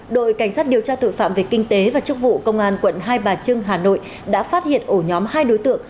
đội cảnh sát điều tra tội phạm về kinh tế và chức vụ công an quận hai bà trưng hà nội đã phát hiện ổ nhóm hai đối tượng